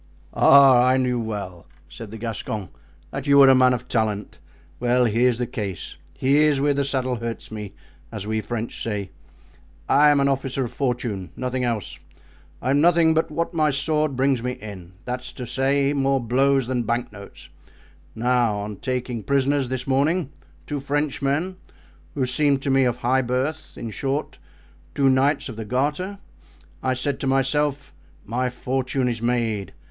"Ah, I knew well," said the Gascon, "that you were a man of talent. Well, here's the case, here's where the saddle hurts me, as we French say. I am an officer of fortune, nothing else; I have nothing but what my sword brings me in—that is to say, more blows than banknotes. Now, on taking prisoners, this morning, two Frenchmen, who seemed to me of high birth—in short, two knights of the Garter—I said to myself, my fortune is made.